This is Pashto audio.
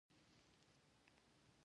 شرکتونه د چاپیریال ساتنې لپاره کار کوي؟